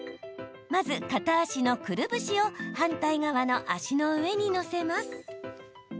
まず、片足のくるぶしを反対側の足の上に乗せます。